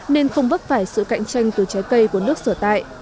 nên không vấp phải sự cạnh tranh từ trái cây của nước sở tại